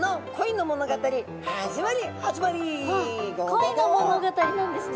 あっ恋の物語なんですね。